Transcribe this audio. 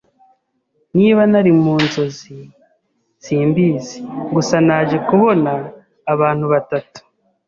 niba nari mu inzozi simbizi gusa naje kubona abantu batatu